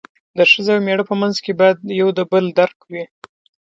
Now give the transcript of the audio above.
د ښځې او مېړه په منځ کې باید یو د بل درک وي.